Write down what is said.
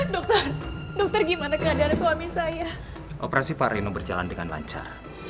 dokter dokter gimana keadaan suami saya operasi parino berjalan dengan lancar